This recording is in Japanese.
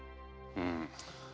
うん。